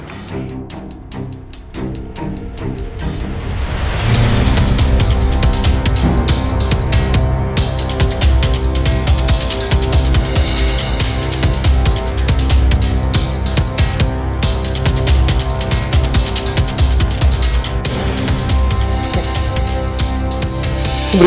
aku mau pergi